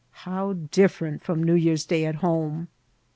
How different from Newyear's Day at home